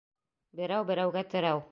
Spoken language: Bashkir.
Берәү берәүгә терәү